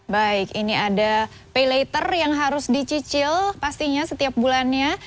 baik ini ada pay later yang harus dicicil pastinya setiap bulannya